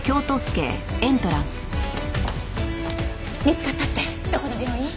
見つかったってどこの病院？